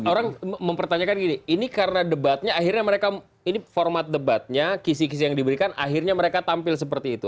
orang mempertanyakan gini ini karena debatnya akhirnya mereka ini format debatnya kisi kisi yang diberikan akhirnya mereka tampil seperti itu